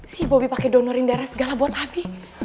si bobby pake donorin darah segala buat abi